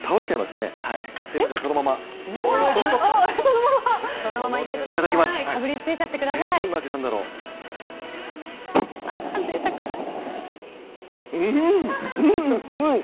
すみません、そのままかぶりついちゃってください。